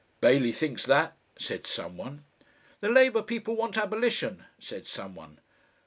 "Bailey thinks that," said some one. "The labour people want abolition," said some one.